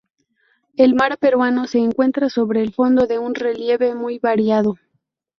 El mar peruano se encuentra sobre el fondo de un relieve muy variado.